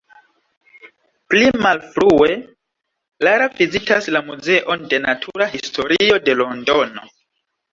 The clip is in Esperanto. Pli malfrue, Lara vizitas la muzeon de natura historio de Londono.